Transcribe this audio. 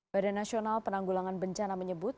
badan nasional penanggulangan bencana menyebut